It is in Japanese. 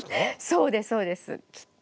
そうですそうですきっと。